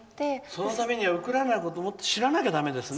そのためにはウクライナのことをもっと知らないとだめですね。